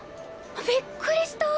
びっくりした！